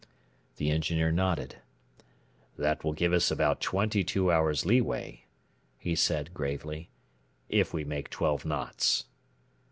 The engineer nodded: "That will give us about twenty two hours leeway," he said gravely, "if we make twelve knots."